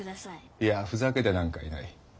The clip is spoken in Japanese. いやふざけてなんかいない。